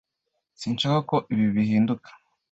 Sinshaka ko ibi bihinduka.